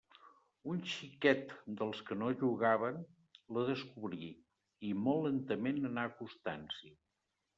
Un xiquet dels que no jugaven la descobrí, i molt lentament anà acostant-s'hi.